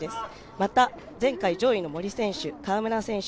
また、前回上位の森選手川村選手